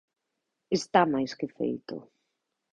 Está máis que feito.